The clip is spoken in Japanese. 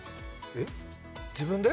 えっ自分で？